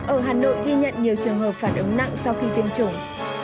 ở hà nội ghi nhận nhiều trường hợp phản ứng nặng sau khi tiêm chủng